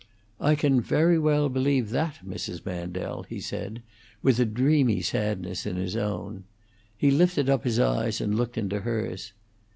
"I can very well believe that, Mrs. Mandel," he said, with a dreamy sadness in his own. He lifted his eyes and looked into hers.